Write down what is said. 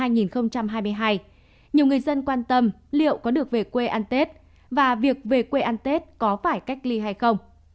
nhiều người dân quan tâm liệu có được về quê ăn tết và việc về quê ăn tết có phải cách ly hay không